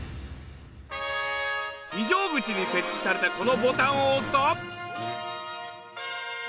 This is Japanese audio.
非常口に設置されたこのボタンを押すと。